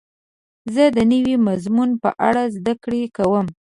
زه د نوي مضمون په اړه زده کړه کوم.